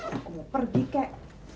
aku mau pergi kek